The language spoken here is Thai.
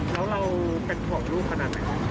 แล้วเราเป็นห่วงลูกเพราะนั้น